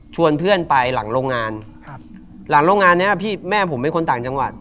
เพื่อนไปหลังโรงงานครับหลังโรงงานเนี้ยพี่แม่ผมเป็นคนต่างจังหวัด